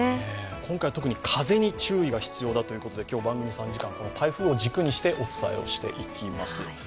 今回特に風が注意が必要だということで今日の番組３時間、この台風を軸にして、お伝えをしていきます。